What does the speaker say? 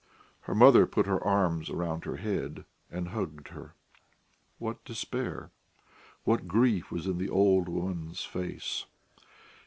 Her mother put her arms round her head and hugged her. What despair, what grief was in the old woman's face!